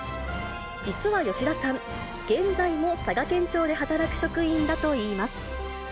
実は吉田さん、現在も佐賀県庁で働く職員だといいます。